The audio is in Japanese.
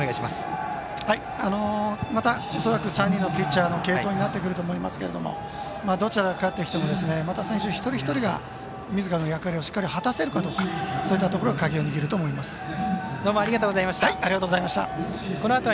また恐らく３人のピッチャーの継投になってくると思いますけれどもどちらが勝ってきてもまた選手一人一人がみずからの役割をしっかり果たせるかが鍵を握ると思います。